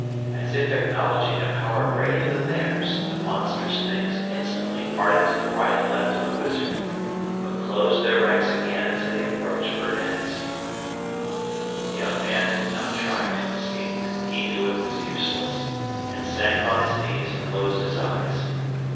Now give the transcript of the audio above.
As if acknowledging a power greater than theirs, the monstrous things instantly parted to the right and left of the wizard, but closed their ranks again as they approached Bernez. The young man did not try to escape, he knew it was useless, and sank on his knees and closed his eyes.